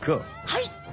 はい！